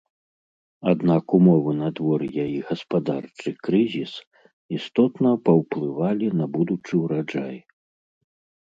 Аднак умовы надвор'я і гаспадарчы крызіс істотна паўплывалі на будучы ўраджай.